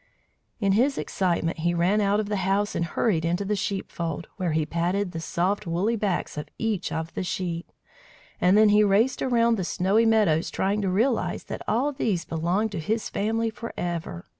In his excitement he ran out of the house and hurried into the sheepfold, where he patted the soft woolly backs of each of the sheep, and then he raced around the snowy meadows trying to realize that all these belonged to his family for ever!